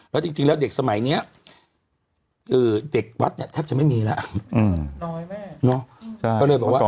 แล้วจริงแล้วเด็กสมัยนี้เด็กวัดเนี่ยแทบจะไม่มีแล้ว